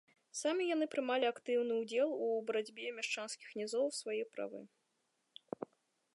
Самі яны прымалі актыўны ўдзел у барацьбе мяшчанскіх нізоў свае правы.